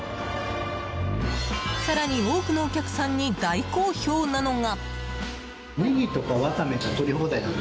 更に、多くのお客さんに大好評なのが。